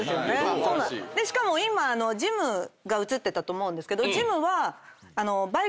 しかも今ジムが映ってたと思うんですけど。